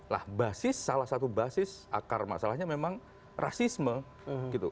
lah basis salah satu basis akar masalahnya memang rasisme gitu